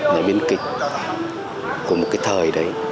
nhà biến kịch của một cái thời đấy